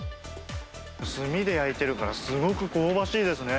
炭で焼いてるからすごく香ばしいですね。